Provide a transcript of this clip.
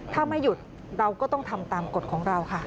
ถ้าไม่หยุดเราก็ต้องทำตามกฎของเราค่ะ